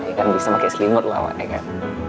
bayang bayang bisa pake selimut lah wadah kan